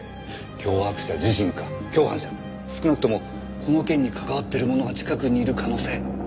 脅迫者自身か共犯者少なくともこの件に関わっている者が近くにいる可能性大ですね。